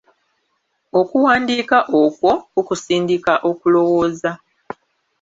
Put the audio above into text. Okuwandiika okwo kukusindika okulowooza.